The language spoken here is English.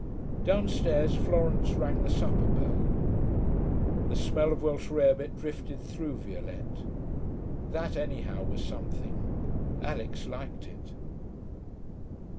Downstairs Florence rang the supper bell. The smell of Welsh rarebit drifted through Violette. That, anyhow, was something; Alix liked it.